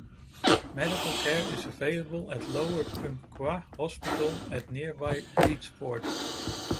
Medical care is available at Lower Umpqua Hospital in nearby Reedsport.